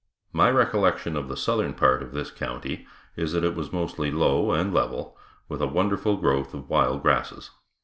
My recollection of the southern part of this county, is that it was mostly low and level, with a wonderful growth of wild grasses.